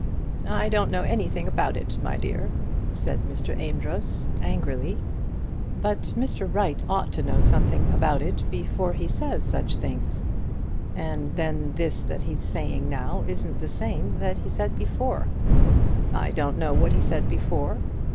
"I don't know anything about it, my dear," said Mr. Amedroz, angrily. "But Mr. Wright ought to know something about it before he says such things. And then this that he's saying now isn't the same that he said before." "I don't know what he said before."